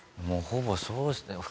もうほぼそうですね。